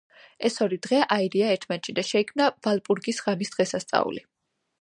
ეს ორი დღე აირია ერთმანეთში და შეიქმნა ვალპურგის ღამის დღესასწაული.